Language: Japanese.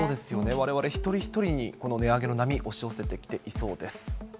われわれ一人一人にこの値上げの波、押し寄せてきそうです。